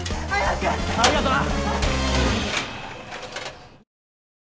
ありがとな。